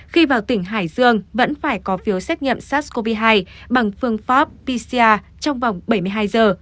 khi vào tỉnh hải dương vẫn phải có phiếu xét nghiệm sars cov hai bằng phương pháp pcr trong vòng bảy mươi hai giờ